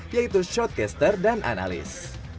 yaitu shortcaster dan analis